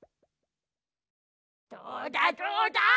どうだどうだ？